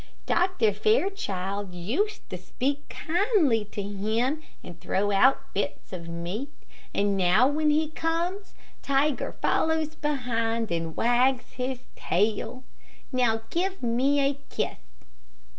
Dr. Fairchild used to speak kindly to him, and throw out bits of meat, and now when he comes, Tiger follows behind and wags his tail. Now, give me a kiss."